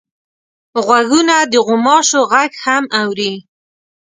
غوږونه د غوماشو غږ هم اوري